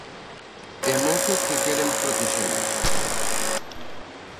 E mozos que queren protexelos...